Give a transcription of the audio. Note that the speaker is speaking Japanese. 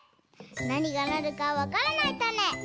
なにがなるかわからないたね！